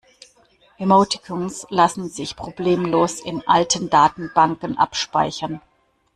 Emoticons lassen sich problemlos in alten Datenbanken abspeichern.